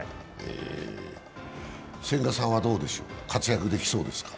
千賀さんはどうでしょう活躍できそうですか。